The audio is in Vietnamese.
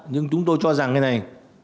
nhưng chúng tôi cho rằng như thế này